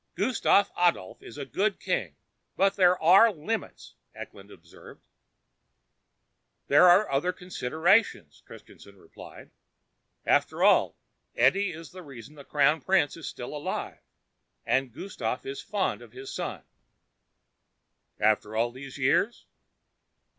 "Gustaf Adolf is a good king, but there are limits," Eklund observed. "There are other considerations," Christianson replied. "After all, Edie is the reason the Crown Prince is still alive, and Gustaf is fond of his son." "After all these years?"